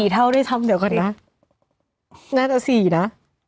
๔เท่าด้วยซ้ำเดียวก่อนนะน่าจะ๔นะ